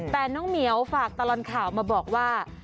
แต่น้องเหมียวฝากตลอดข่าวมาบอกว่า